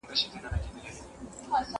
ایا ته کتاب لولې!.